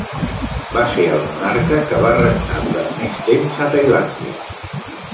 Va ser el monarca que va regnar durant mes temps a Tailàndia.